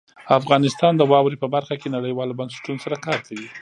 افغانستان د واوره په برخه کې نړیوالو بنسټونو سره کار کوي.